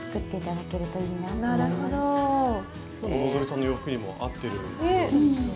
きょうの希さんの洋服にも合ってるようですよね。